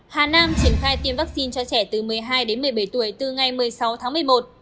hà nam triển khai tiêm vaccine cho trẻ từ một mươi hai đến một mươi bảy tuổi từ ngày một mươi sáu tháng một mươi một